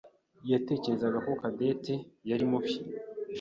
yatekerezaga ko Cadette yari mubi.